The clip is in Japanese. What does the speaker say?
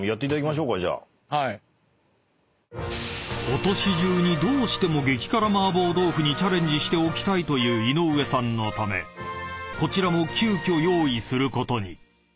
［ことし中にどうしても激辛麻婆豆腐にチャレンジしておきたいという井上さんのためこちらも急きょ用意することに］